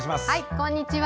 こんにちは。